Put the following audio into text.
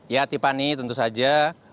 ya tipani tentu saja